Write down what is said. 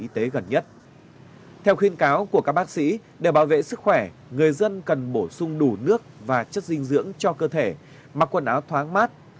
theo khuyến cáo của các bác sĩ để bảo vệ sức khỏe người dân cần bổ sung đủ nước và chất dinh dưỡng cho cơ thể mặc quần áo thoáng mát